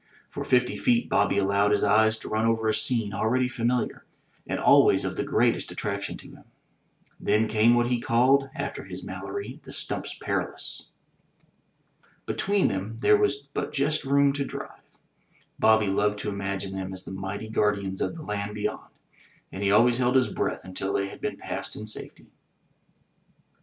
For fifty feet Bobby allowed his eyes to run over a scene already familiar and always of the greatest attraction to him. Then came what he called, after his Malory, the Stumps Perilous. Between them there was but just room to drive. Bobby loved to imagine them as the mighty guardians of the land beyond, and he always held his breath until they had been passed in safety.